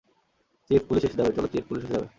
Chief, police এসে যাবে, চলো চিফ, পুলিশ এসে যাবে।